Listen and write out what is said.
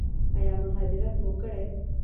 ایا مهاجرت مو کړی؟